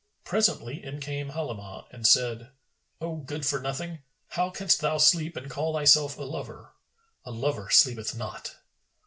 Presently, in came Halimah and said, "O good for nothing, how canst thou sleep and call thyself a lover? A lover sleepeth not!"